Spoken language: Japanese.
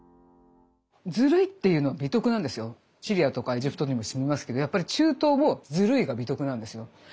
シリアとかエジプトにも住みますけどやっぱり中東も「ずるい」が美徳なんですよ。